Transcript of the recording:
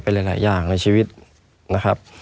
ไม่มีครับไม่มีครับ